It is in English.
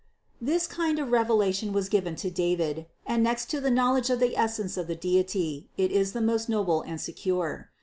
This kind of revelation was given to David; and next to the knowledge of the Essence of the Deity, it is the most noble and secure.